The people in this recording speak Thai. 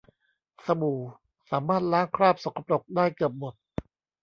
สบู่สามารถล้างคราบสกปรกได้เกือบหมด